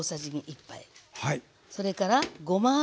それからごま油。